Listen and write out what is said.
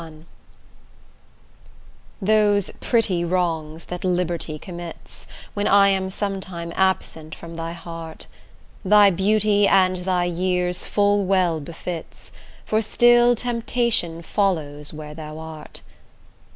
XLI Those pretty wrongs that liberty commits, When I am sometime absent from thy heart, Thy beauty, and thy years full well befits, For still temptation follows where thou art.